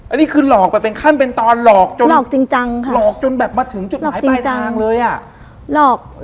อันนี้คือหลอกไปเป็นขั้นเป็นตอนหลอกจนมาถึงจุดหลายปลายทางเลยอะ